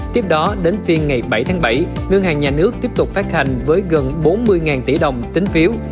tiếp đó đến phiên ngày bảy tháng bảy ngân hàng nhà nước tiếp tục phát hành với gần bốn mươi tỷ đồng tính phiếu